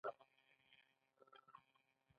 موږ سوله غواړو